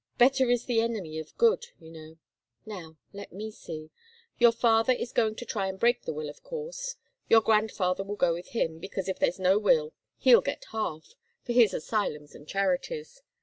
'Better is the enemy of good,' you know. Now, let me see. Your father is going to try and break the will, of course. Your grandfather will go with him, because if there's no will, he'll get half for his asylums and charities.